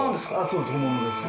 そうです。